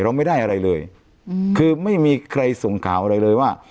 เราไม่ได้อะไรเลยคือไม่มีใครส่งข่าวอะไรเลยว่า